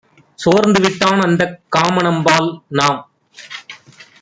சோர்ந்துவிட் டானந்தக் காமனம்பால்! - நாம்